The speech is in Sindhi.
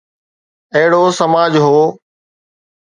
اهڙو سماج هو.